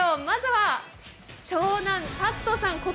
まずは長男・尊さん